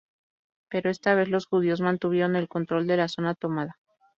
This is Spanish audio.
Pero esta vez los judíos mantuvieron el control de la zona tomada.